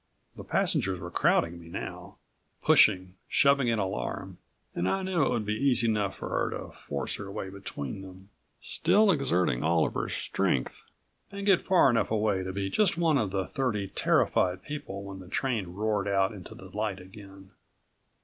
The passengers were crowding me now, pushing, shoving in alarm, and I knew it would be easy enough for her to force her way between them, still exerting all of her strength and get far enough away to be just one of the thirty terrified people when the train roared out into the light again.